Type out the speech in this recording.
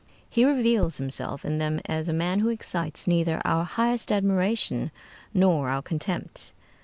He reveals himself in them as a man who excites neither our highest admiration nor our contempt.